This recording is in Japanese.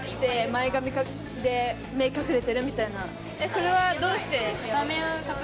それはどうして？